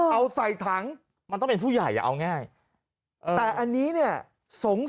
เอาใส่ถัง